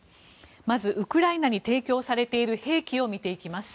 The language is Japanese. まずウクライナに提供されている兵器を見ていきます。